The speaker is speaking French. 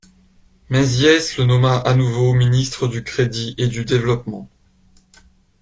Menzies le nomma à nouveau Ministre du Crédit et du Développement.